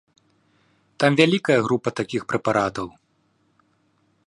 Там вялікая група такіх прэпаратаў.